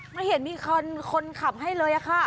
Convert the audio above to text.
ไม่เห็นมีคันคนขับให้เลยค่ะ